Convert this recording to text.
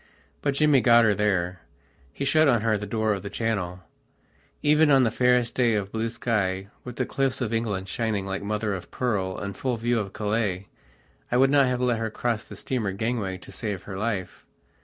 But Jimmy got her, there: he shut on her the door of the Channel; even on the fairest day of blue sky, with the cliffs of England shining like mother of pearl in full view of Calais, I would not have let her cross the steamer gangway to save her life.